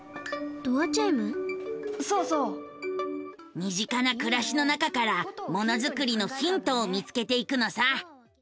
身近な暮らしの中からものづくりのヒントを見つけていくのさ。